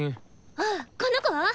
ああこの子？